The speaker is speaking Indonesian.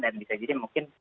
dan bisa jadi mungkin